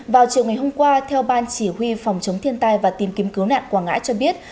vào chiều ngày hôm qua theo ban chỉ huy phòng chống thiên tai và tìm kiếm cứu nạn quảng ngãi cho biết